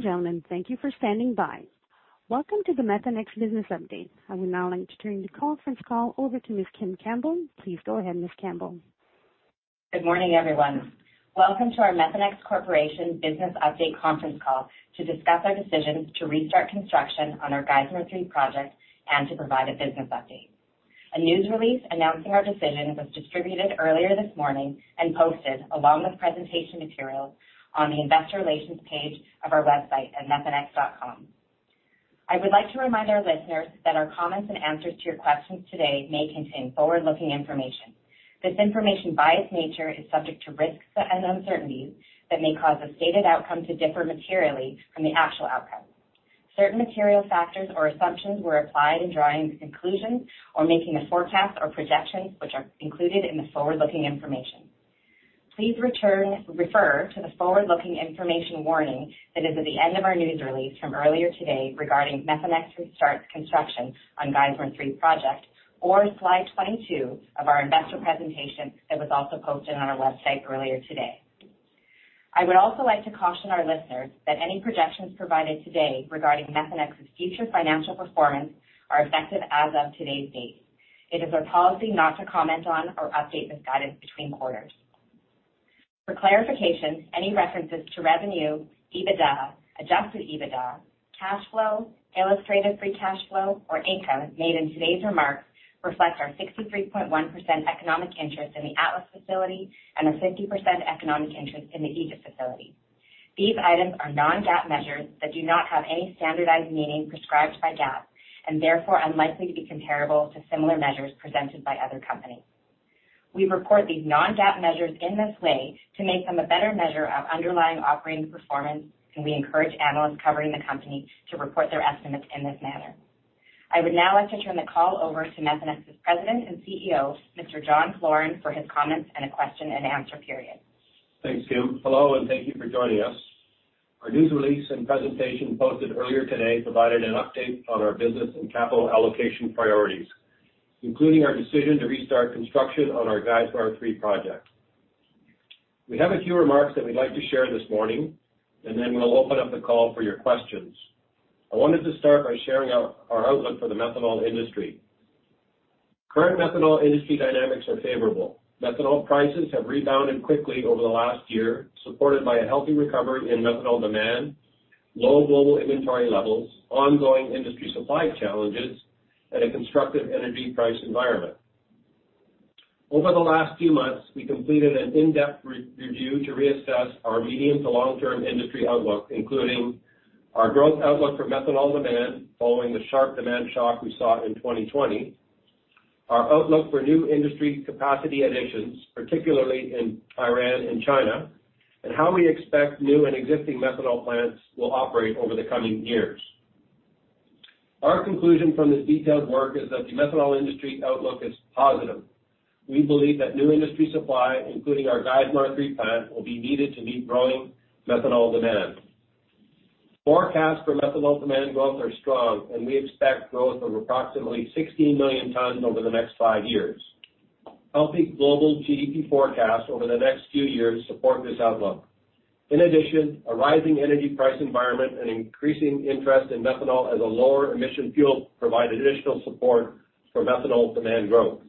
Ladies and gentlemen, thank you for standing by. Welcome to the Methanex business update. I would now like to turn the conference call over to Ms. Kim Campbell. Please go ahead, Ms. Campbell. Good morning, everyone. Welcome to our Methanex Corporation business update conference call to discuss our decisions to restart construction on our Geismar 3 project and to provide a business update. A news release announcing our decision was distributed earlier this morning and posted along with presentation materials on the investor relations page of our website at methanex.com. I would like to remind our listeners that our comments and answers to your questions today may contain forward-looking information. This information, by its nature, is subject to risks and uncertainties that may cause the stated outcome to differ materially from the actual outcome. Certain material factors or assumptions were applied in drawing conclusions or making a forecast or projections, which are included in the forward-looking information. Please refer to the forward-looking information warning that is at the end of our news release from earlier today regarding Methanex restarts construction on Geismar 3 project, or slide 22 of our investor presentation that was also posted on our website earlier today. I would also like to caution our listeners that any projections provided today regarding Methanex's future financial performance are effective as of today's date. It is our policy not to comment on or update this guidance between quarters. For clarification, any references to revenue, EBITDA, adjusted EBITDA, cash flow, illustrated free cash flow or income made in today's remarks reflect our 63.1% economic interest in the Atlas facility and a 50% economic interest in the Egypt facility. These items are non-GAAP measures that do not have any standardized meaning prescribed by GAAP and therefore unlikely to be comparable to similar measures presented by other companies. We report these non-GAAP measures in this way to make them a better measure of underlying operating performance, and we encourage analysts covering the company to report their estimates in this manner. I would now like to turn the call over to Methanex's President and CEO, Mr. John Floren, for his comments and a question and answer period. Thanks, Kim. Hello, and thank you for joining us. Our news release and presentation posted earlier today provided an update on our business and capital allocation priorities, including our decision to restart construction on our Geismar 3 project. We have a few remarks that we'd like to share this morning, and then we'll open up the call for your questions. I wanted to start by sharing our outlook for the methanol industry. Current methanol industry dynamics are favorable. Methanol prices have rebounded quickly over the last year, supported by a healthy recovery in methanol demand, low global inventory levels, ongoing industry supply challenges, and a constructive energy price environment. Over the last few months, we completed an in-depth review to reassess our medium to long-term industry outlook, including our growth outlook for methanol demand following the sharp demand shock we saw in 2020, our outlook for new industry capacity additions, particularly in Iran and China, and how we expect new and existing methanol plants will operate over the coming years. Our conclusion from this detailed work is that the methanol industry outlook is positive. We believe that new industry supply, including our Geismar 3 plant, will be needed to meet growing methanol demand. Forecasts for methanol demand growth are strong, and we expect growth of approximately 16 million tons over the next five years. Healthy global GDP forecasts over the next few years support this outlook. In addition, a rising energy price environment and increasing interest in methanol as a lower emission fuel provide additional support for methanol demand growth.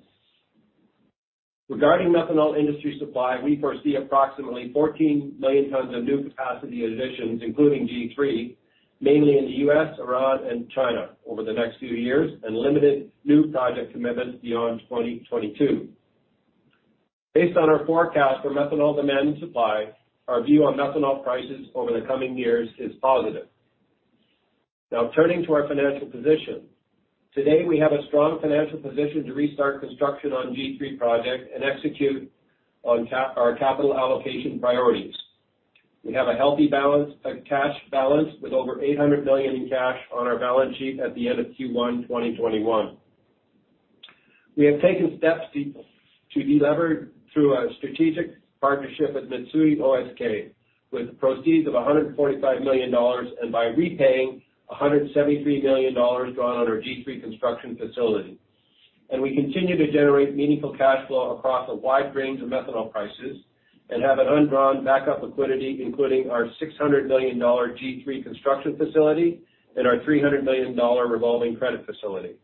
Regarding methanol industry supply, we foresee approximately 14 million tons of new capacity additions, including G3, mainly in the U.S., Iran, and China over the next few years, and limited new project commitments beyond 2022. Based on our forecast for methanol demand and supply, our view on methanol prices over the coming years is positive. Turning to our financial position. We have a strong financial position to restart construction on G3 project and execute on our capital allocation priorities. We have a healthy cash balance with over $800 million in cash on our balance sheet at the end of Q1 2021. We have taken steps to delever through a strategic partnership with Mitsui O.S.K., with proceeds of $145 million and by repaying $173 million drawn on our G3 construction facility. We continue to generate meaningful cash flow across a wide range of methanol prices and have an undrawn backup liquidity, including our $600 million G3 construction facility and our $300 million revolving credit facility.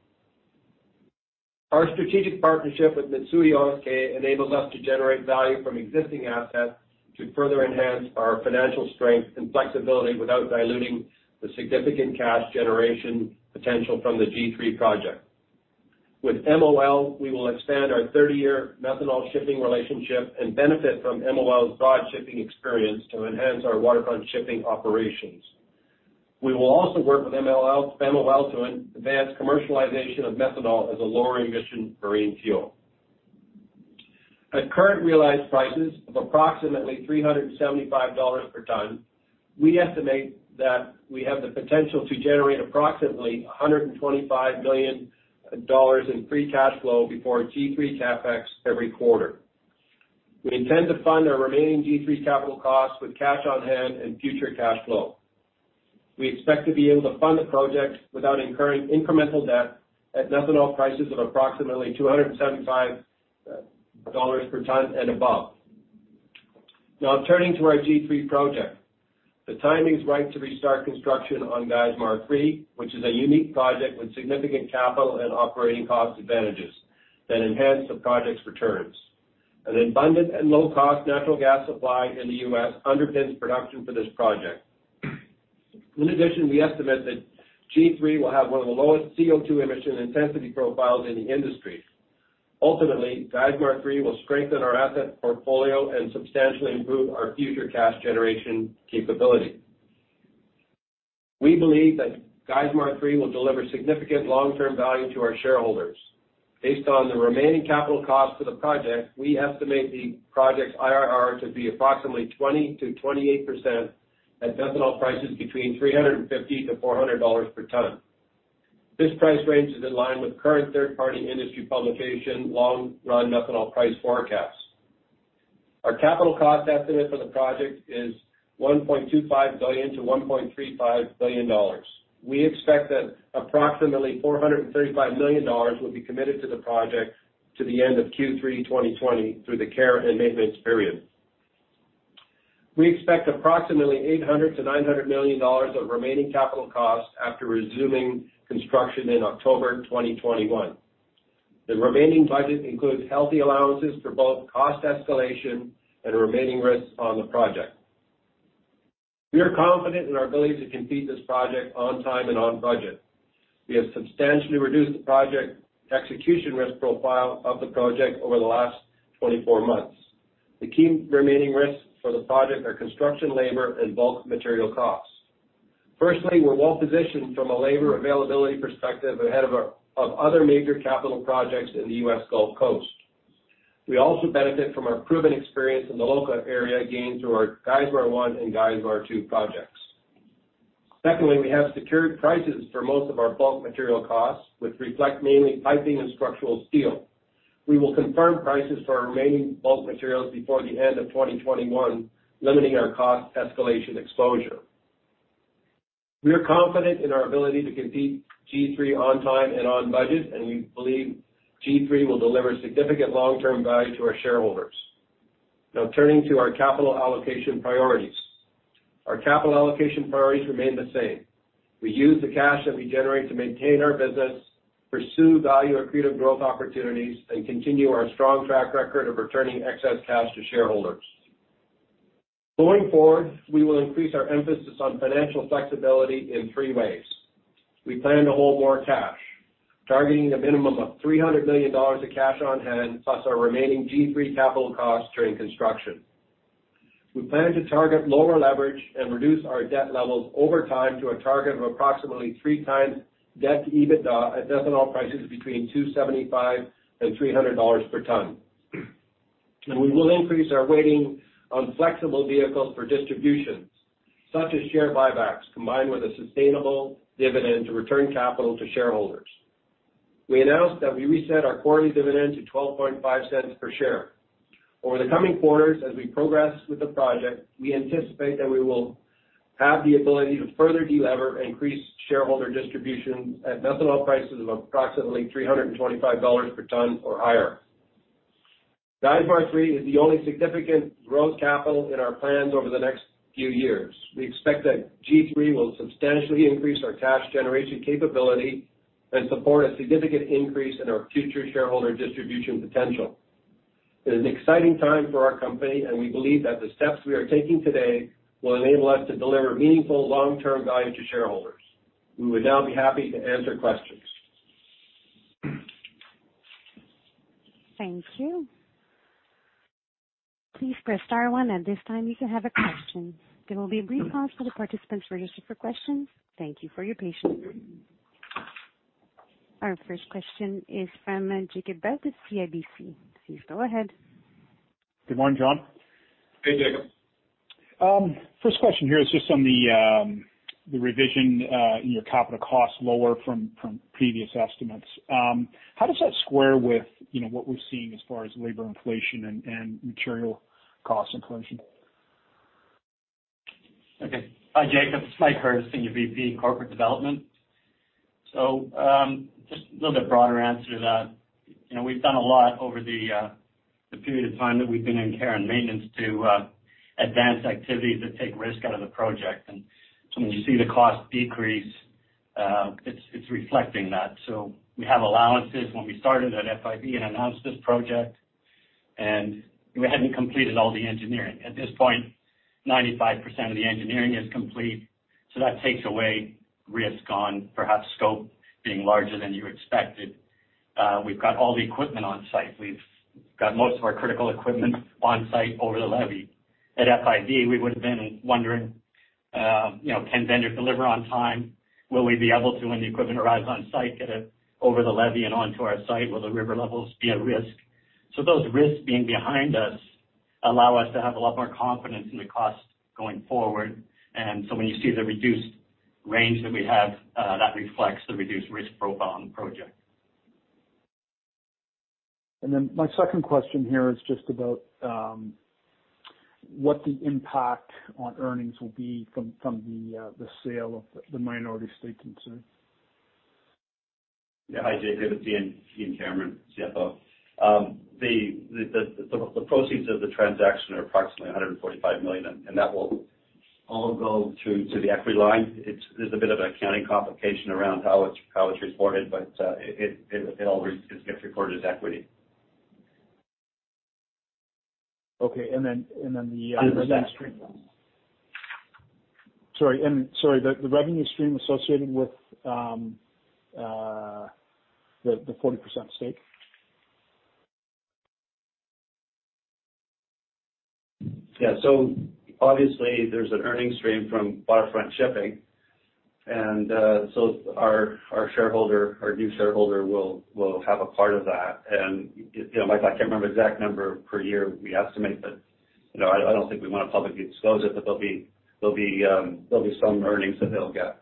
Our strategic partnership with Mitsui O.S.K. enables us to generate value from existing assets to further enhance our financial strength and flexibility without diluting the significant cash generation potential from the G3 project. With MOL, we will expand our 30-year methanol shipping relationship and benefit from MOL's broad shipping experience to enhance our Waterfront Shipping operations. We will also work with MOL to advance commercialization of methanol as a lower emission marine fuel. At current realized prices of approximately $375 per ton, we estimate that we have the potential to generate approximately $125 million in free cash flow before G3 CapEx every quarter. We intend to fund our remaining G3 capital costs with cash on hand and future cash flow. We expect to be able to fund the project without incurring incremental debt at methanol prices of approximately $275 per ton and above. Now turning to our G3 project. The timing is right to restart construction on Geismar 3, which is a unique project with significant capital and operating cost advantages that enhance the project's returns. An abundant and low-cost natural gas supply in the U.S. underpins production for this project. In addition, we estimate that G3 will have one of the lowest CO2 emission intensity profiles in the industry. Ultimately, Geismar 3 will strengthen our asset portfolio and substantially improve our future cash generation capability. We believe that Geismar 3 will deliver significant long-term value to our shareholders. Based on the remaining CapEx for the project, we estimate the project's IRR to be approximately 20%-28% at methanol prices between $350-$400 per tonne. This price range is in line with current third-party industry publication long-run methanol price forecasts. Our CapEx estimate for the project is $1.25 billion-$1.35 billion. We expect that approximately $435 million will be committed to the project to the end of Q3 2020 through the care and maintenance period. We expect approximately $800 million-$900 million of remaining CapEx after resuming construction in October 2021. The remaining budget includes healthy allowances for both cost escalation and remaining risks on the project. We are confident in our ability to complete this project on time and on budget. We have substantially reduced the project execution risk profile of the project over the last 24 months. The key remaining risks for the project are construction labor and bulk material costs. Firstly, we're well-positioned from a labor availability perspective ahead of other major capital projects in the U.S. Gulf Coast. We also benefit from our proven experience in the local area gained through our Geismar 1 and Geismar 2 projects. Secondly, we have secured prices for most of our bulk material costs, which reflect mainly piping and structural steel. We will confirm prices for our remaining bulk materials before the end of 2021, limiting our cost escalation exposure. We are confident in our ability to complete G3 on time and on budget, and we believe G3 will deliver significant long-term value to our shareholders. Now turning to our capital allocation priorities. Our capital allocation priorities remain the same. We use the cash that we generate to maintain our business, pursue value accretive growth opportunities, and continue our strong track record of returning excess cash to shareholders. Going forward, we will increase our emphasis on financial flexibility in 3 ways. We plan to hold more cash, targeting a minimum of $300 million of cash on hand, plus our remaining G3 capital costs during construction. We plan to target lower leverage and reduce our debt levels over time to a target of approximately 3x debt to EBITDA at methanol prices between $275 and $300 per tonne. We will increase our weighting on flexible vehicles for distributions such as share buybacks, combined with a sustainable dividend to return capital to shareholders. We announced that we reset our quarterly dividend to $0.125 per share. Over the coming quarters, as we progress with the project, we anticipate that we will have the ability to further delever and increase shareholder distributions at methanol prices of approximately $325 per tonne or higher. Geismar 3 is the only significant growth capital in our plans over the next few years. We expect that G3 will substantially increase our cash generation capability and support a significant increase in our future shareholder distribution potential. It is an exciting time for our company, and we believe that the steps we are taking today will enable us to deliver meaningful long-term value to shareholders. We would now be happy to answer questions. Thank you. Please press star one at this time if you have a question. There will be a brief pause while the participants register for questions. Thank you for your patience. Our first question is from Jacob Bout to CIBC. Please go ahead. Good morning, John. Hey, Jacob. First question here is just on the revision in your capital cost lower from previous estimates. How does that square with what we're seeing as far as labor inflation and material cost inflation? Hi, Jacob. This is Mike Herz, Senior Vice President in Corporate Development. Just a little bit broader answer to that. We've done a lot over the period of time that we've been in care and maintenance to advance activities that take risk out of the project. When you see the cost decrease, it's reflecting that. We have allowances when we started at FID and announced this project, and we hadn't completed all the engineering. At this point, 95% of the engineering is complete, that takes away risk on perhaps scope being larger than you expected. We've got all the equipment on site. We've got most of our critical equipment on site over the levee. At FID, we would've been wondering, can vendors deliver on time? Will we be able to, when the equipment arrives on site, get it over the levee and onto our site? Will the river levels be at risk? Those risks being behind us allow us to have a lot more confidence in the cost going forward. When you see the reduced range that we have, that reflects the reduced risk profile on the project. My second question here is just about what the impact on earnings will be from the sale of the minority stake in Sur? Yeah. Hi, Jacob. This is Ian Cameron, CFO. The proceeds of the transaction are approximately $145 million. That will all go to the equity line. It's a bit of an accounting complication around how it's reported. It all gets recorded as equity. Okay. And the rest- Sorry. The revenue stream associated with the 40% stake. Obviously, there's an earning stream from Waterfront Shipping. Our new shareholder will have a part of that. Mike, I can't remember the exact number per year we estimate, but I don't think we want to publicly disclose it, but there'll be some earnings that they'll get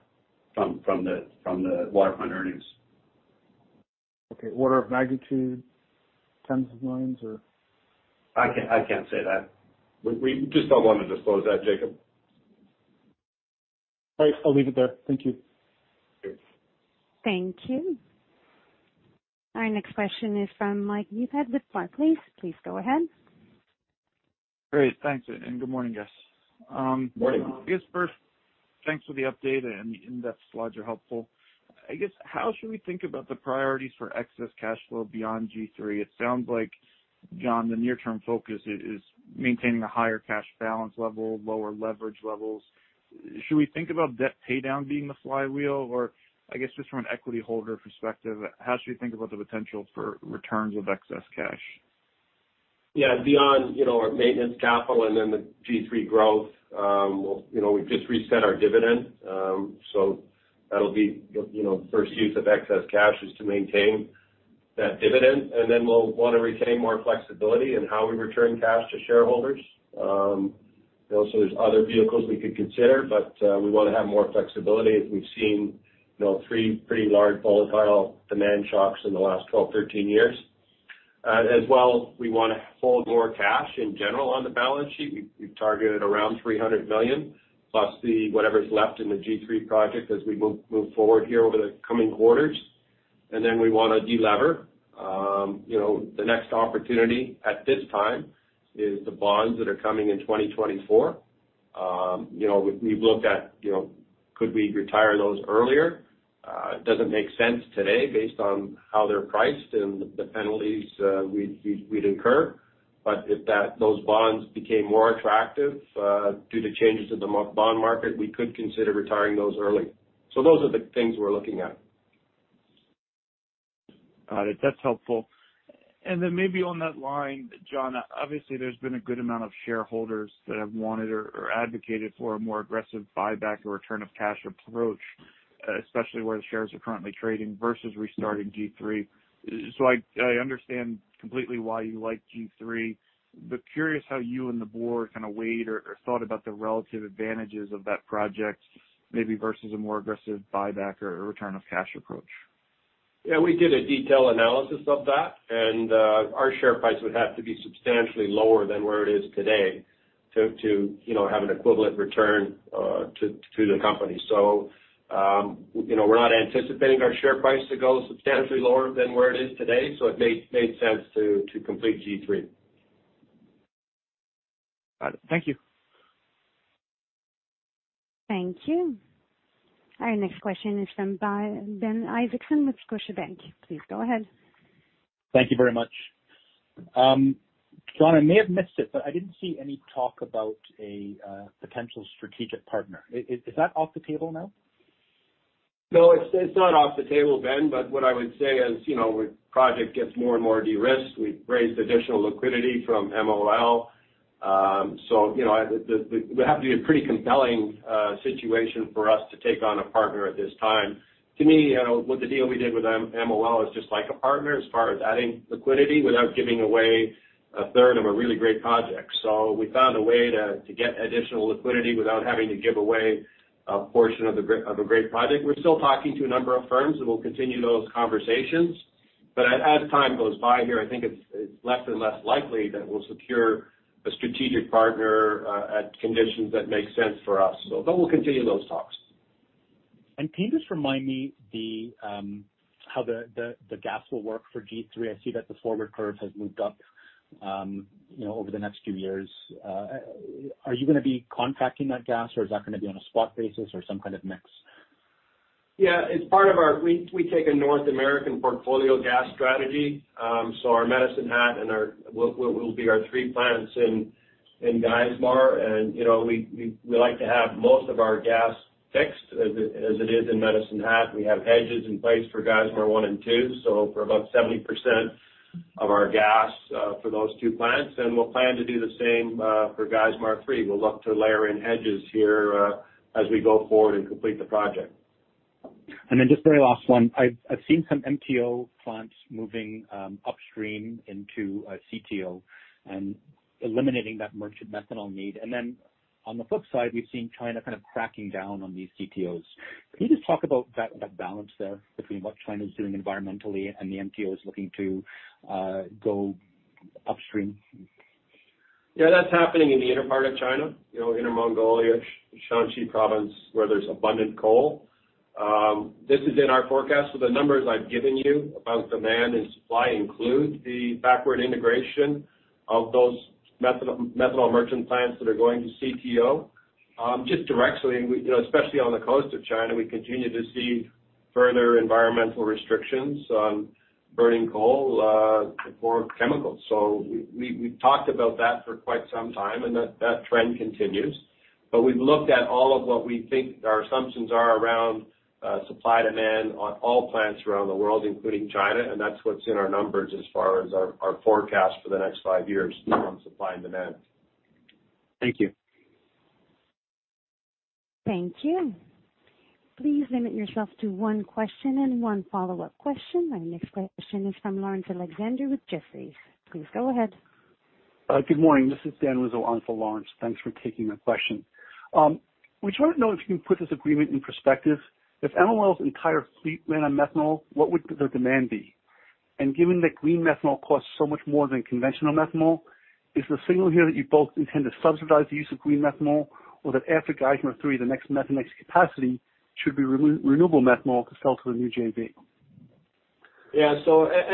from the Waterfront earnings. Okay. Order of magnitude, tens of millions or I can't say that. We just don't want to disclose that, Jacob. All right, I'll leave it there. Thank you. Sure. Thank you. Our next question is from Mike Leithead with Barclays. Please, go ahead. Great. Thanks, and good morning, guys. Morning. I guess first, thanks for the update, and the in-depth slides are helpful. I guess, how should we think about the priorities for excess cash flow beyond G3? It sounds like, John, the near-term focus is maintaining a higher cash balance level, lower leverage levels. Should we think about debt paydown being the flywheel? I guess just from an equity holder perspective, how should we think about the potential for returns of excess cash? Beyond our maintenance capital and then the G3 growth, we've just reset our dividend. That'll be the first use of excess cash is to maintain that dividend, and then we'll want to retain more flexibility in how we return cash to shareholders. There's other vehicles we could consider, but we want to have more flexibility as we've seen three pretty large volatile demand shocks in the last 12, 13 years. As well, we want to hold more cash in general on the balance sheet. We've targeted around $300 million plus whatever's left in the G3 project as we move forward here over the coming quarters. We want to de-lever. The next opportunity at this time is the bonds that are coming in 2024. We've looked at could we retire those earlier. It doesn't make sense today based on how they're priced and the penalties we'd incur. If those bonds became more attractive due to changes in the bond market, we could consider retiring those early. Those are the things we're looking at. Got it. That's helpful. Then maybe on that line, John, obviously, there's been a good amount of shareholders that have wanted or advocated for a more aggressive buyback or return of cash approach, especially where the shares are currently trading versus restarting G3. I understand completely why you like G3, but curious how you and the board kind of weighed or thought about the relative advantages of that project maybe versus a more aggressive buyback or return of cash approach. Yeah, we did a detailed analysis of that, and our share price would have to be substantially lower than where it is today to have an equivalent return to the company. We're not anticipating our share price to go substantially lower than where it is today, so it made sense to complete G3. Got it. Thank you. Thank you. Our next question is from Ben Isaacson with Scotiabank. Please go ahead. Thank you very much. John, I may have missed it, but I didn't see any talk about a potential strategic partner. Is that off the table now? No, it's not off the table, Ben. What I would say is, the project gets more and more de-risked. We've raised additional liquidity from MOL. It would have to be a pretty compelling situation for us to take on a partner at this time. To me, with the deal we did with MOL is just like a partner as far as adding liquidity without giving away a third of a really great project. We found a way to get additional liquidity without having to give away a portion of a great project. We're still talking to a number of firms, and we'll continue those conversations. As time goes by here, I think it's less and less likely that we'll secure a strategic partner at conditions that make sense for us. We'll continue those talks. Can you just remind me how the gas will work for G3? I see that the forward curve has moved up over the next few years. Are you going to be contracting that gas, or is that going to be on a spot basis or some kind of mix? Yeah. We take a North American portfolio gas strategy. Our Medicine Hat and what will be our three plants in Geismar, and we like to have most of our gas fixed as it is in Medicine Hat. We have hedges in place for Geismar 1 and 2, so for about 70% of our gas for those two plants, and we'll plan to do the same for Geismar 3. We'll look to layer in hedges here as we go forward and complete the project. Just very last one. I've seen some MTO plants moving upstream into a CTO and eliminating that merchant methanol need. On the flip side, we've seen China kind of cracking down on these CTOs. Can you just talk about that balance there between what China's doing environmentally and the MTOs looking to go upstream? Yeah, that's happening in the inner part of China, Inner Mongolia, Shaanxi province, where there's abundant coal. This is in our forecast, so the numbers I've given you about demand and supply include the backward integration of those methanol merchant plants that are going to CTO. Just directly, especially on the coast of China, we continue to see further environmental restrictions on burning coal for chemicals. We've talked about that for quite some time, and that trend continues. We've looked at all of what we think our assumptions are around supply-demand on all plants around the world, including China, and that's what's in our numbers as far as our forecast for the next five years on supply and demand. Thank you. Thank you. Please limit yourself to one question and one follow-up question. Our next question is from Laurence Alexander with Jefferies. Please go ahead. Good morning. This is Dan Rizzo on for Lawrence. Thanks for taking the question. We just want to know if you can put this agreement in perspective. If MOL's entire fleet ran on methanol, what would their demand be? Given that green methanol costs so much more than conventional methanol, is the signal here that you both intend to subsidize the use of green methanol, or that after Geismar 3, the next Methanex capacity should be renewable methanol to sell to the new JV?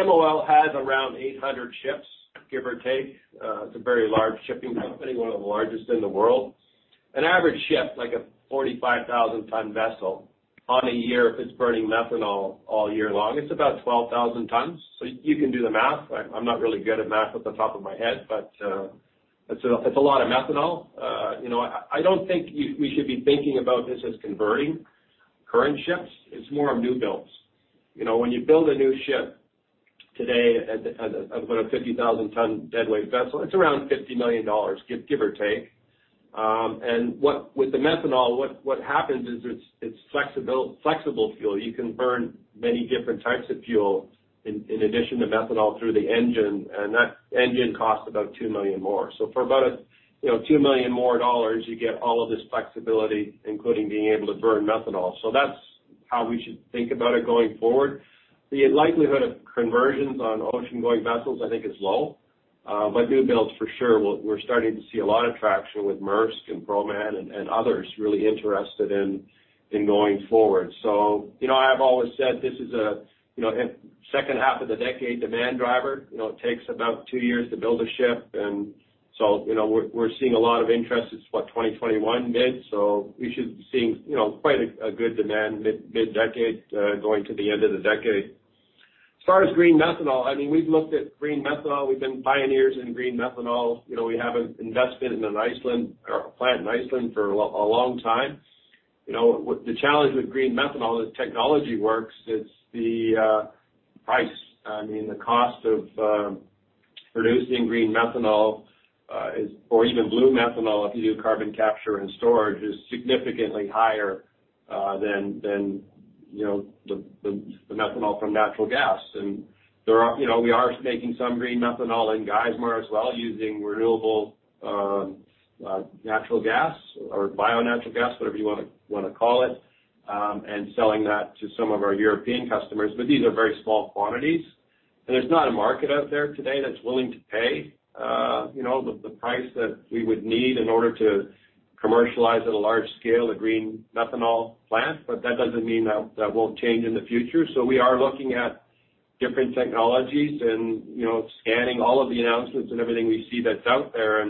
MOL has around 800 ships, give or take. It's a very large shipping company, one of the largest in the world. An average ship, like a 45,000-tonne vessel on a year, if it's burning methanol all year long, it's about 12,000 tonnes. You can do the math. I'm not really good at math off the top of my head, but it's a lot of methanol. I don't think we should be thinking about this as converting current ships. It's more of new builds. When you build a new ship today, about a 50,000-tonne deadweight vessel, it's around $50 million, give or take. With the methanol, what happens is it's flexible fuel. You can burn many different types of fuel in addition to methanol through the engine, and that engine costs about $2 million more. For about $2 million more, you get all of this flexibility, including being able to burn methanol. That's how we should think about it going forward. The likelihood of conversions on ocean-going vessels, I think, is low. New builds, for sure, we're starting to see a lot of traction with Maersk and Proman and others really interested in going forward. I've always said this is a second half of the decade demand driver. It takes about two years to build a ship, we're seeing a lot of interest. It's what, 2021 bid. We should be seeing quite a good demand mid-decade going to the end of the decade. As far as green methanol, we've looked at green methanol. We've been pioneers in green methanol. We have an investment in Iceland, or a plant in Iceland for a long time. The challenge with green methanol is technology works, it's the price. The cost of producing green methanol or even blue methanol, if you do carbon capture and storage, is significantly higher than the methanol from natural gas. We are making some green methanol in Geismar as well using renewable natural gas or bio-natural gas, whatever you want to call it, and selling that to some of our European customers. These are very small quantities, and there's not a market out there today that's willing to pay the price that we would need in order to commercialize at a large scale a green methanol plant, but that doesn't mean that won't change in the future. We are looking at different technologies and scanning all of the announcements and everything we see that's out there.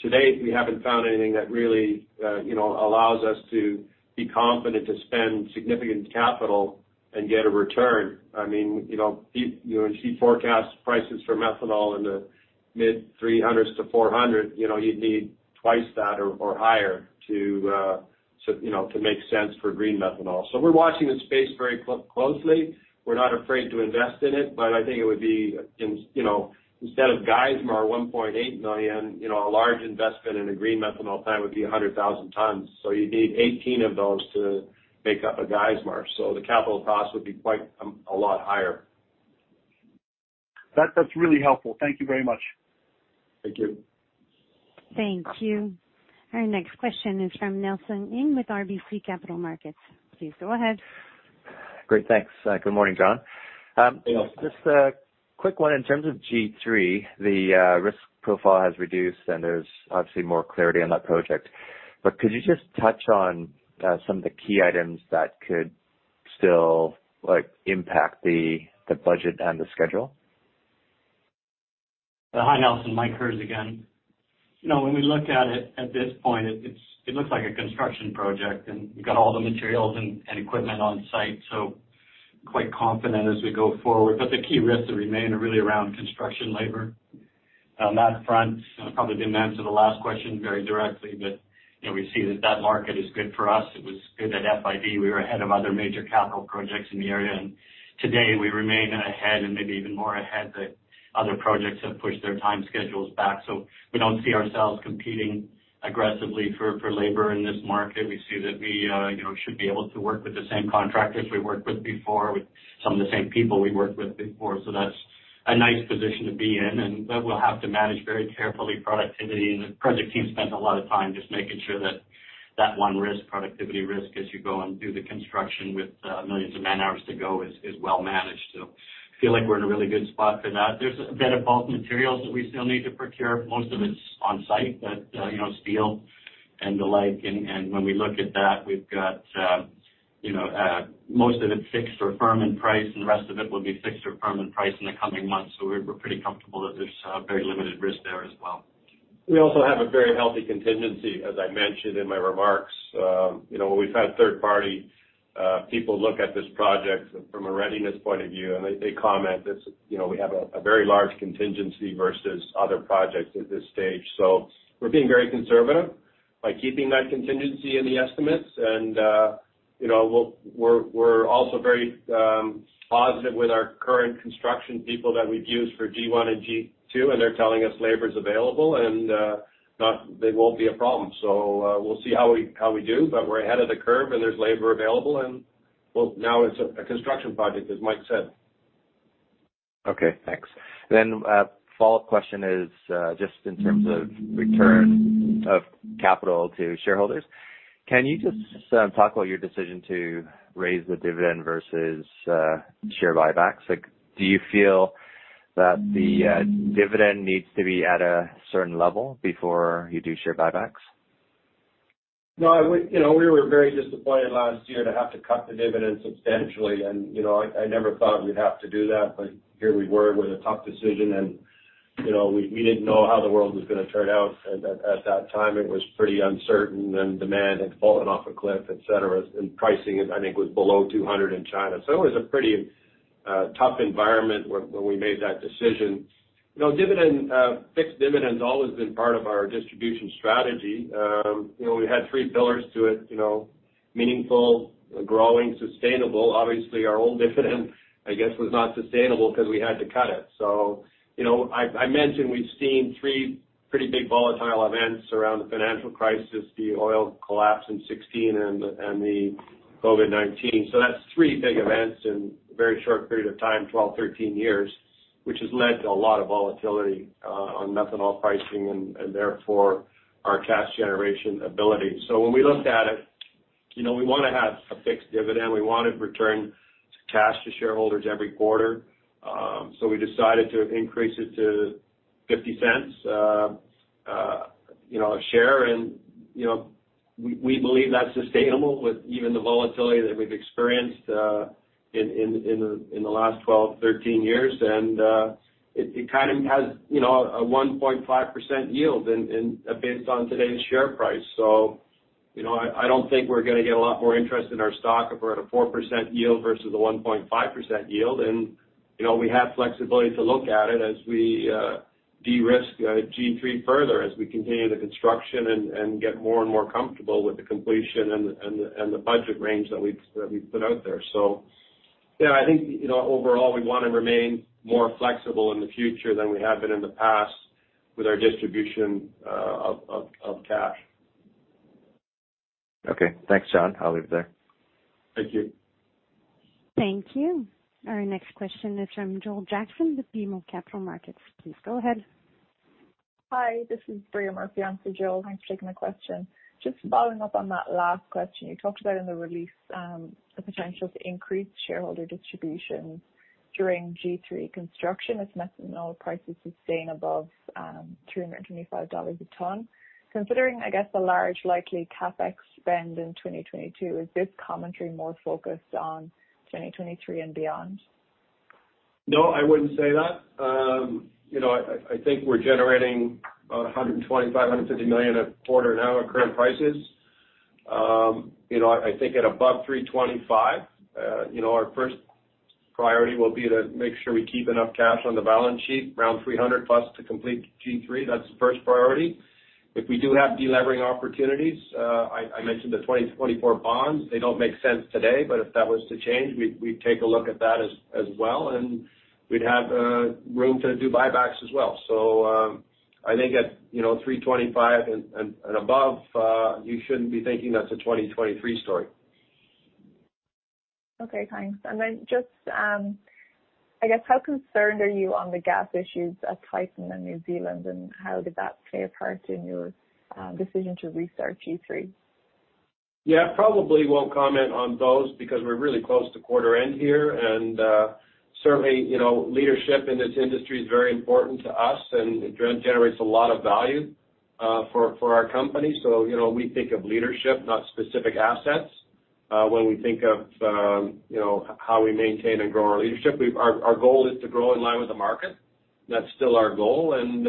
To date, we haven't found anything that really allows us to be confident to spend significant capital and get a return. When you see forecast prices for methanol in the mid $300-$400, you'd need twice that or higher to make sense for green methanol. We're watching the space very closely. We're not afraid to invest in it, but I think it would be instead of Geismar 1.8 million, a large investment in a green methanol plant would be 100,000 tonnes. You'd need 18 of those to make up a Geismar. The capital cost would be quite a lot higher. That's really helpful. Thank you very much. Thank you. Thank you. Our next question is from Nelson Ng with RBC Capital Markets. Please go ahead. Great, thanks. Good morning, John. Hey, Nelson. Just a quick one. In terms of G3, the risk profile has reduced, and there's obviously more clarity on that project. Could you just touch on some of the key items that could still impact the budget and the schedule? Hi, Nelson. Mike Herz again. When we look at it at this point, it looks like a construction project, and we've got all the materials and equipment on site, so quite confident as we go forward. The key risks that remain are really around construction labor. On that front, I probably didn't answer the last question very directly, but we see that market is good for us. It was good at FID. We were ahead of other major capital projects in the area, and today we remain ahead and maybe even more ahead that other projects have pushed their time schedules back. We don't see ourselves competing aggressively for labor in this market. We see that we should be able to work with the same contractors we worked with before, with some of the same people we worked with before. That's a nice position to be in, and we'll have to manage very carefully productivity. The project team spent a lot of time just making sure that that 1 risk, productivity risk, as you go and do the construction with millions of man-hours to go, is well managed. I feel like we're in a really good spot for that. There's a bit of bulk materials that we still need to procure. Most of it's on site, but steel and the like. When we look at that, we've got most of it fixed or firm in price, and the rest of it will be fixed or firm in price in the coming months. We're pretty comfortable that there's very limited risk there as well. We also have a very healthy contingency, as I mentioned in my remarks. We've had third-party people look at this project from a readiness point of view. They comment that we have a very large contingency versus other projects at this stage. We're being very conservative by keeping that contingency in the estimates. We're also very positive with our current construction people that we've used for G1 and G2. They're telling us labor's available and they won't be a problem. We'll see how we do, but we're ahead of the curve and there's labor available and well, now it's a construction project, as Mike said. Okay, thanks. A follow-up question is just in terms of return of capital to shareholders. Can you just talk about your decision to raise the dividend versus share buybacks? Do you feel that the dividend needs to be at a certain level before you do share buybacks? No, we were very disappointed last year to have to cut the dividend substantially. I never thought we'd have to do that, but here we were with a tough decision and we didn't know how the world was going to turn out. At that time, it was pretty uncertain and demand had fallen off a cliff, et cetera, and pricing, I think, was below $200 in China. It was a pretty tough environment when we made that decision. Fixed dividend's always been part of our distribution strategy. We had three pillars to it, meaningful, growing, sustainable. Obviously, our old dividend, I guess, was not sustainable because we had to cut it. I mentioned we've seen three pretty big volatile events around the financial crisis, the oil collapse in 2016, and the COVID-19. That's three big events in a very short period of time, 12, 13 years, which has led to a lot of volatility on methanol pricing and therefore our cash generation ability. When we looked at it, we want to have a fixed dividend. We want to return cash to shareholders every quarter. We decided to increase it to $0.50 a share. We believe that's sustainable with even the volatility that we've experienced in the last 12, 13 years. It has a 1.5% yield based on today's share price. I don't think we're gonna get a lot more interest in our stock if we're at a 4% yield versus a 1.5% yield. We have flexibility to look at it as we de-risk G3 further as we continue the construction and get more and more comfortable with the completion and the budget range that we've put out there. Yeah, I think overall, we want to remain more flexible in the future than we have been in the past with our distribution of cash. Okay. Thanks, John. I'll leave it there. Thank you. Thank you. Our next question is from Joel Jackson with BMO Capital Markets. Please go ahead. Hi, this is Bria Murphy. I'm for Joel. Thanks for taking my question. Just following up on that last question. You talked about in the release, the potential to increase shareholder distributions during G3 construction as methanol prices staying above $325 a ton. Considering, I guess, the large likely CapEx spend in 2022, is this commentary more focused on 2023 and beyond? No, I wouldn't say that. I think we're generating $125, $150 million a quarter now at current prices. I think at above $325, our first priority will be to make sure we keep enough cash on the balance sheet, around $300-plus to complete G3. That's the first priority. If we do have delevering opportunities, I mentioned the 2024 bonds. They don't make sense today, but if that was to change, we'd take a look at that as well, and we'd have room to do buybacks as well. I think at $325 and above, you shouldn't be thinking that's a 2023 story. Okay, thanks. Just, I guess, how concerned are you on the gas issues at Titan in New Zealand, and how did that play a part in your decision to restart G3? Probably won't comment on those because we're really close to quarter end here and certainly, leadership in this industry is very important to us and it generates a lot of value for our company. We think of leadership, not specific assets, when we think of how we maintain and grow our leadership. Our goal is to grow in line with the market. That's still our goal, and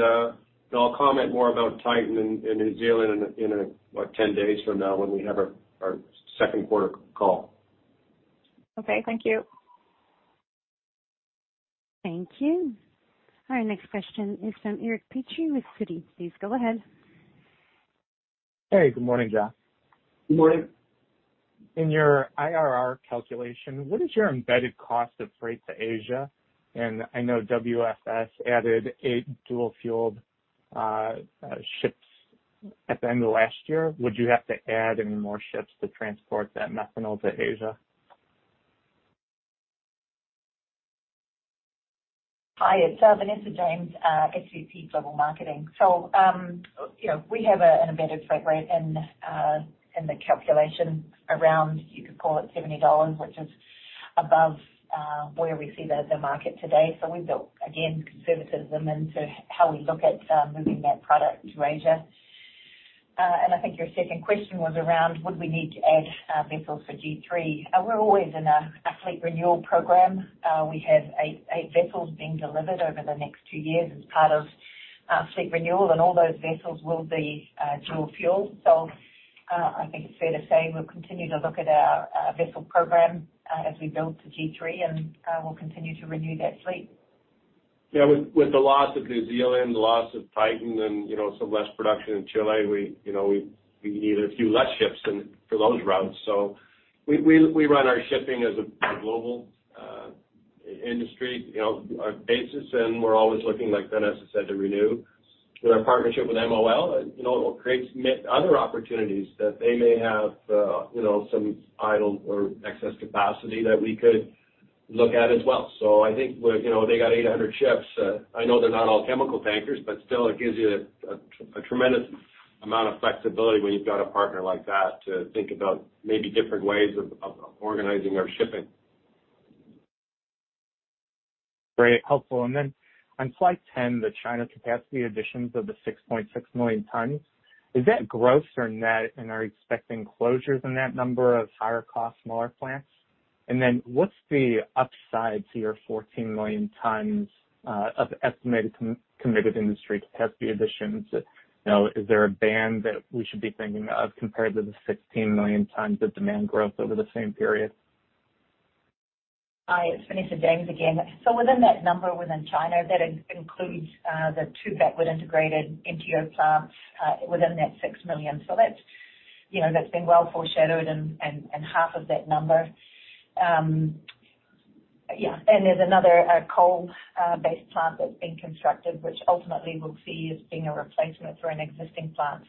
I'll comment more about Titan and New Zealand in about 10 days from now when we have our second quarter call. Okay, thank you. Thank you. Our next question is from Eric Petrie with Citi. Please go ahead. Hey, good morning, John. Good morning. In your IRR calculation, what is your embedded cost of freight to Asia? I know WFS added eight dual-fueled ships at the end of last year. Would you have to add any more ships to transport that methanol to Asia? Hi, it's Vanessa James, SVP Global Marketing. We have an embedded freight rate in the calculation around, you could call it $70, which is above where we see the market today. We built, again, conservatism into how we look at moving that product to Asia. I think your second question was around would we need to add vessels for G3. We're always in a fleet renewal program. We have eight vessels being delivered over the next two years as part of fleet renewal, and all those vessels will be dual fuel. I think it's fair to say we'll continue to look at our vessel program as we build to G3, and we'll continue to renew that fleet. Yeah. With the loss of New Zealand, the loss of Titan, and some less production in Chile, we needed a few less ships for those routes. We run our shipping as a global industry on a basis, and we're always looking, like Vanessa said, to renew. With our partnership with MOL, it creates other opportunities that they may have some idle or excess capacity that we could look at as well. I think they got 800 ships. I know they're not all chemical tankers, but still, it gives you a tremendous amount of flexibility when you've got a partner like that to think about maybe different ways of organizing our shipping. Great. Helpful. On slide 10, the China capacity additions of the 6.6 million tons, is that gross or net? Are you expecting closures in that number of higher cost, smaller plants? What's the upside to your 14 million tons of estimated committed industry capacity additions? Is there a band that we should be thinking of compared to the 16 million tons of demand growth over the same period? Hi, it's Vanessa James again. Within that number within China, that includes the two backward integrated MTO plants within that 6 million. That's been well foreshadowed and half of that number. Yeah. There's another coal-based plant that's being constructed, which ultimately we'll see as being a replacement for an existing plant.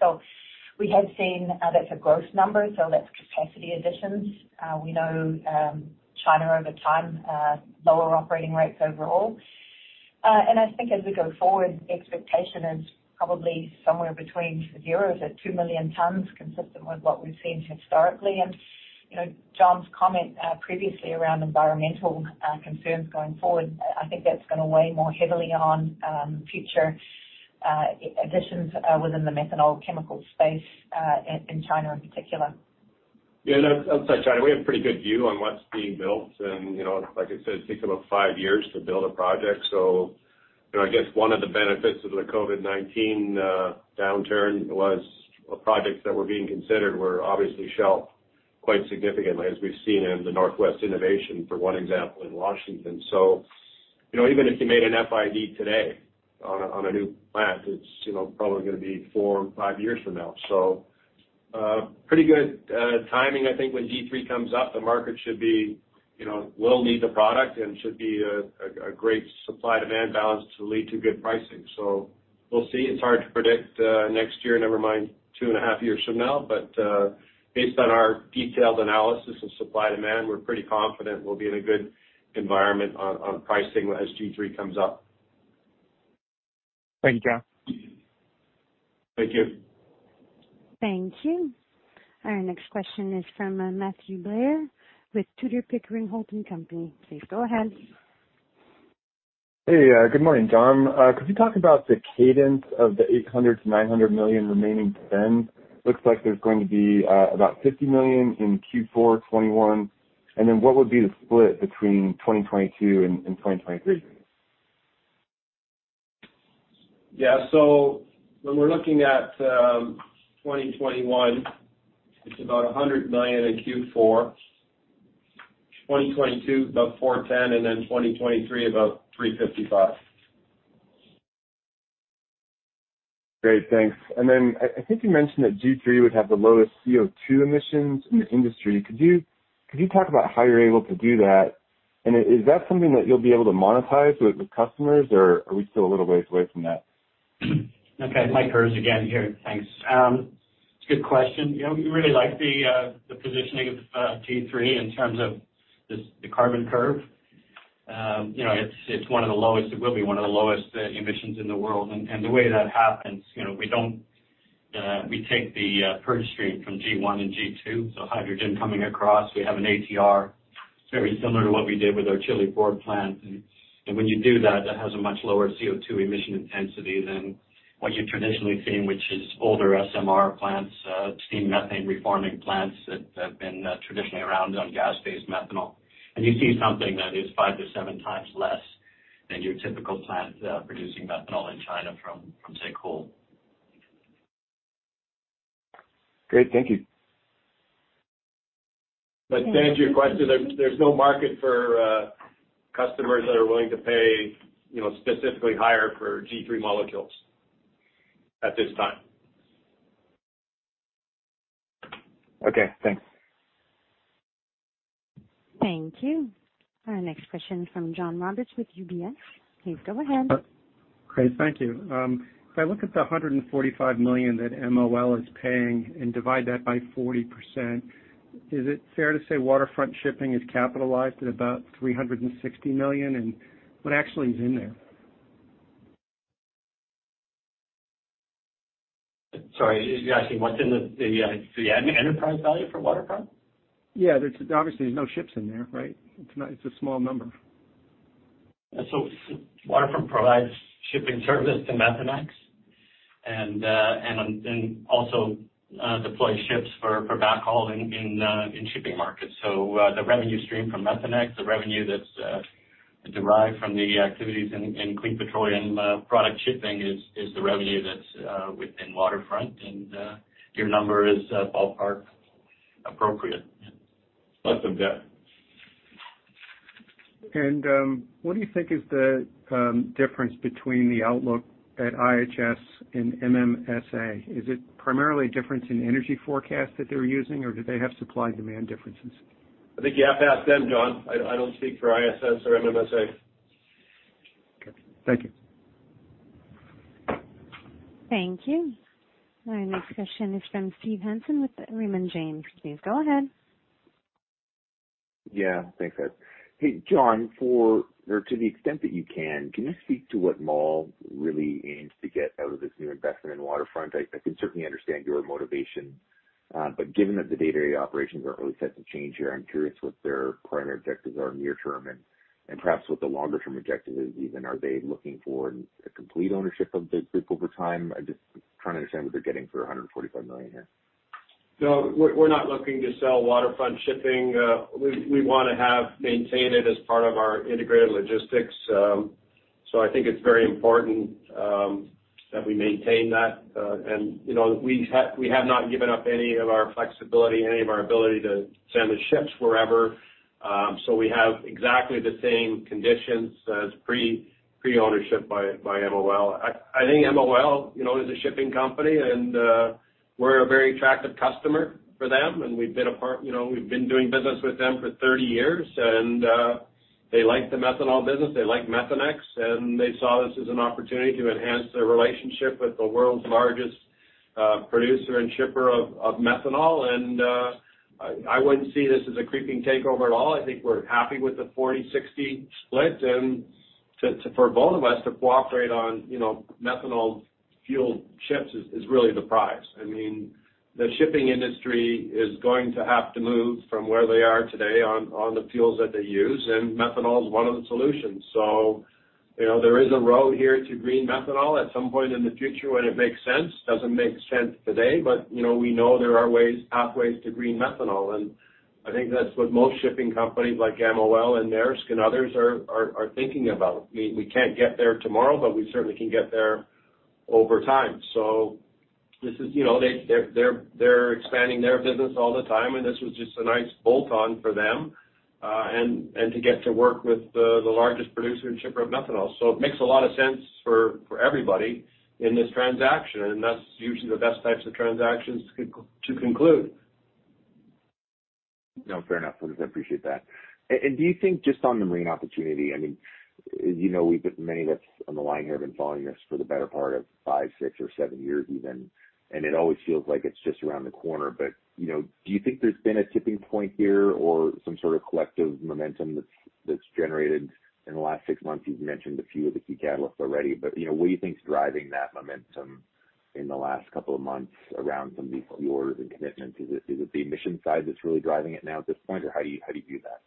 We have seen that's a gross number, so that's capacity additions. We know China, over time, lower operating rates overall. I think as we go forward, expectation is probably somewhere between zero to two million tons, consistent with what we've seen historically. John's comment previously around environmental concerns going forward, I think that's going to weigh more heavily on future additions within the methanol chemical space, in China in particular. Yeah, outside China, we have a pretty good view on what's being built and, like I said, it takes about 5 years to build a project. I guess one of the benefits of the COVID-19 downturn was projects that were being considered were obviously shelved quite significantly, as we've seen in the Northwest Innovation, for one example, in Washington. Even if you made an FID today on a new plant, it's probably going to be four or five years from now. Pretty good timing. I think when G3 comes up, the market will need the product and should be a great supply-demand balance to lead to good pricing. We'll see. It's hard to predict next year, never mind two and a half years from now. Based on our detailed analysis of supply-demand, we're pretty confident we'll be in a good environment on pricing as G3 comes up. Thank you. Thank you. Thank you. Our next question is from Matthew Blair with Tudor, Pickering, Holt & Co. Please go ahead. Hey. Good morning, John. Could you talk about the cadence of the $800 million-$900 million remaining spend? Looks like there's going to be about $50 million in Q4 2021. What would be the split between 2022 and 2023? Yeah. When we're looking at 2021, it's about $100 million in Q4. 2022, about $410 million, and then 2023, about $355 million. Great. Thanks. I think you mentioned that G3 would have the lowest CO2 emissions in the industry. Could you talk about how you're able to do that? Is that something that you'll be able to monetize with customers, or are we still a little ways away from that? Okay. Mike Herz again here. Thanks. It's a good question. We really like the positioning of G3 in terms of the carbon curve. It will be one of the lowest emissions in the world. The way that happens, we take the purge stream from G1 and G2, so hydrogen coming across. We have an ATR, very similar to what we did with our Chile IV plant. When you do that has a much lower CO2 emission intensity than what you traditionally see, which is older SMR plants, steam methane reforming plants that have been traditionally around on gas-based methanol. You see something that is five to seven times less than your typical plant producing methanol in China from, say, coal. Great. Thank you. To answer your question, there's no market for customers that are willing to pay specifically higher for G3 molecules at this time. Okay. Thanks. Thank you. Our next question from John Roberts with UBS. Please go ahead. Great. Thank you. If I look at the $145 million that MOL is paying and divide that by 40%, is it fair to say Waterfront Shipping is capitalized at about $360 million? What actually is in there? You're asking what's in the enterprise value for Waterfront? Yeah. There's no ships in there, right? It's a small number. Waterfront provides shipping service to Methanex, and also deploys ships for backhaul in shipping markets. The revenue stream from Methanex, the revenue that's derived from the activities in clean petroleum product shipping is the revenue that's within Waterfront, and your number is ballpark appropriate. That's okay. What do you think is the difference between the outlook at IHS and MMSA? Is it primarily a difference in energy forecast that they're using, or do they have supply-demand differences? I think you have to ask them, John. I don't speak for IHS or MMSA. Okay. Thank you. Thank you. Our next question is from Steve Hansen with Raymond James. Please go ahead. Yeah. Thanks. Hey, John, to the extent that you can you speak to what MOL really aims to get out of this new investment in Waterfront? I can certainly understand your motivation. Given that the day-to-day operations aren't really set to change here, I'm curious what their primary objectives are near-term, and perhaps what the longer-term objective is even. Are they looking for a complete ownership of the group over time? I'm just trying to understand what they're getting for $145 million here. No, we're not looking to sell Waterfront Shipping. We want to maintain it as part of our integrated logistics. I think it's very important that we maintain that. We have not given up any of our flexibility, any of our ability to send the ships wherever. We have exactly the same conditions as pre-ownership by MOL. I think MOL is a shipping company, and we're a very attractive customer for them, and we've been doing business with them for 30 years. They like the methanol business, they like Methanex, and they saw this as an opportunity to enhance their relationship with the world's largest producer and shipper of methanol. I wouldn't see this as a creeping takeover at all. I think we're happy with the 40/60 split. For both of us to cooperate on methanol-fueled ships is really the prize. The shipping industry is going to have to move from where they are today on the fuels that they use, and methanol is one of the solutions. There is a road here to green methanol at some point in the future when it makes sense. Doesn't make sense today, but we know there are pathways to green methanol. I think that's what most shipping companies like MOL and Maersk and others are thinking about. We can't get there tomorrow, but we certainly can get there over time. They're expanding their business all the time, and this was just a nice bolt-on for them, and to get to work with the largest producer and shipper of methanol. It makes a lot of sense for everybody in this transaction, and that's usually the best types of transactions to conclude. No, fair enough. I appreciate that. Do you think just on the marine opportunity, many of us on the line here have been following this for the better part of five, six, or seven years even, and it always feels like it's just around the corner. Do you think there's been a tipping point here or some sort of collective momentum that's generated in the last six months? You've mentioned a few of the key catalysts already. What do you think is driving that momentum in the last couple of months around some of these orders and commitments? Is it the emission side that's really driving it now at this point, or how do you view that?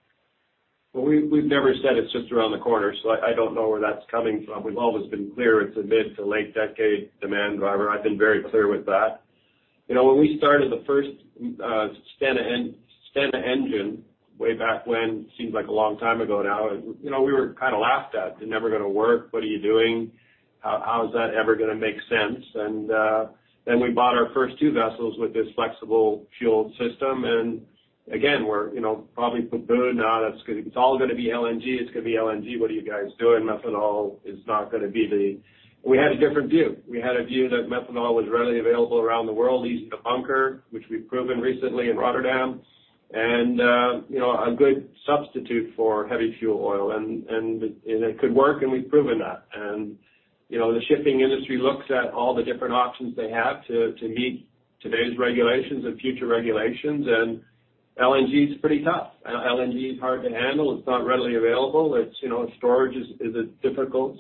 Well, we've never said it's just around the corner, so I don't know where that's coming from. We've always been clear it's a mid- to late-decade demand driver. I've been very clear with that. When we started the first Stena engine way back when, seems like a long time ago now, we were kind of laughed at. They're never going to work. What are you doing? How's that ever going to make sense? Then we bought our first two vessels with this flexible fuel system, and again, we're probably poo-poohed. No, it's all going to be LNG. It's going to be LNG. What are you guys doing? Methanol is not going to be. We had a different view. We had a view that methanol was readily available around the world, easy to bunker, which we've proven recently in Rotterdam, and a good substitute for heavy fuel oil, and it could work, and we've proven that. The shipping industry looks at all the different options they have to meet today's regulations and future regulations, and LNG is pretty tough. LNG is hard to handle. It's not readily available. Storage is difficult.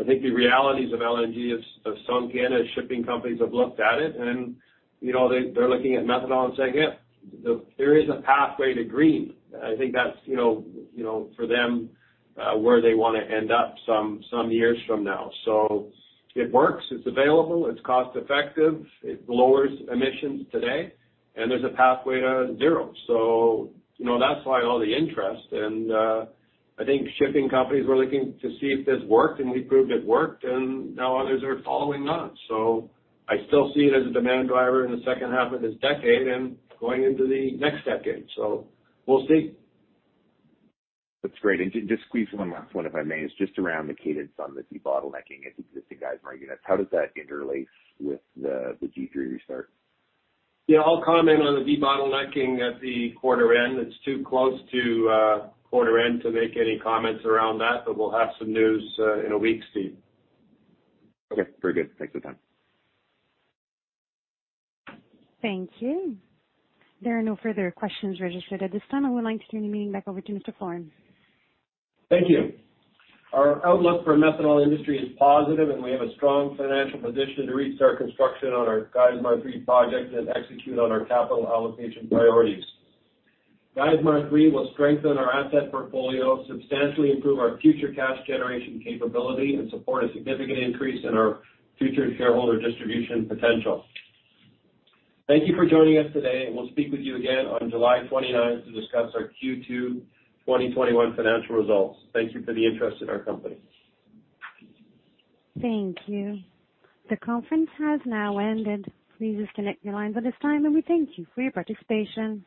I think the realities of LNG have sunk in as shipping companies have looked at it, and they're looking at methanol and saying, "Yeah, there is a pathway to green." I think that's, for them, where they want to end up some years from now. It works, it's available, it's cost-effective, it lowers emissions today, and there's a pathway to zero. That's why all the interest. I think shipping companies were looking to see if this worked, and we proved it worked, and now others are following on. I still see it as a demand driver in the second half of this decade and going into the next decade. We'll see. That's great. Just squeeze one last one if I may. It's just around the cadence on the debottlenecking at the existing Geismar units. How does that interlace with the G3 restart? Yeah. I'll comment on the debottlenecking at the quarter end. It's too close to quarter end to make any comments around that, but we'll have some news in a week, Steve. Okay. Very good. Thanks for the time. Thank you. There are no further questions registered at this time. I would like to turn the meeting back over to Mr. Floren. Thank you. Our outlook for the methanol industry is positive, and we have a strong financial position to restart construction on our Geismar 3 project and execute on our capital allocation priorities. Geismar 3 will strengthen our asset portfolio, substantially improve our future cash generation capability, and support a significant increase in our future shareholder distribution potential. Thank you for joining us today. We'll speak with you again on July 29th to discuss our Q2 2021 financial results. Thank you for the interest in our company. Thank you. The conference has now ended. Please disconnect your lines at this time, and we thank you for your participation.